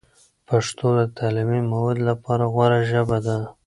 پښتو د تعلیمي موادو لپاره غوره ژبه ده.